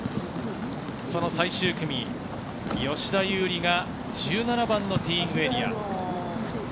その最終組、吉田優利が１７番のティーイングエリア。